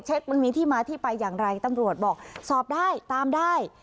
มันมีที่มาที่ไปอย่างไรตำรวจบอกสอบได้ตามได้